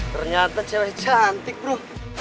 ternyata cewek cantik bro